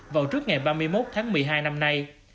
vào trước ngày ba mươi một tháng một mươi hai năm nay